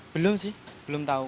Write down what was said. belum sih belum tahu